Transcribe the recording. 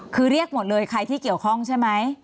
คือเรียกหมดเลยใครที่เกี่ยวข้องใช่ไหม